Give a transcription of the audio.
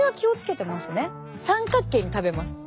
三角形に食べます。